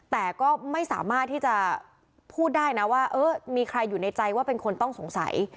แต่ก็ไม่สามารถที่จะพูดได้นะว่าเออมีใครอยู่ในใจว่าเป็นคนต้องสงสัย